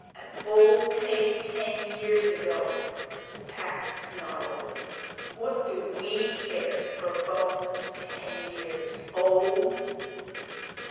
'A bull paid ten years ago!' the Pack snarled. 'What do we care for bones ten years old?'